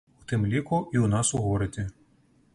У тым ліку, і ў нас у горадзе.